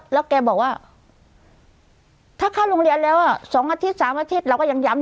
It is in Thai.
แล้วแกบอกว่าถ้าเข้าโรงเรียนแล้ว๒อาทิตย์๓อาทิตย์เราก็ยังย้ำ